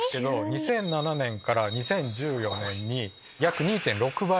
２００７年から２０１４年に。